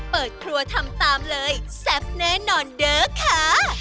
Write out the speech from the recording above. เปิดครัวทำตามเลยแซ่บแน่นอนเด้อค่ะ